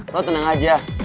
lo tenang aja